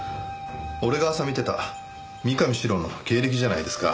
俺が朝見てた三上史郎の経歴じゃないですか。